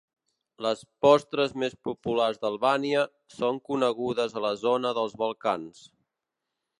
Les postres més populars d'Albània són conegudes a la zona dels Balcans.